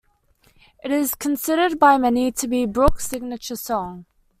It is considered by many to be Brooks' signature song.